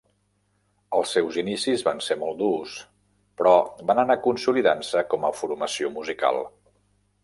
Els seus inicis van ser molt durs, però van anar consolidant-se com a formació musical.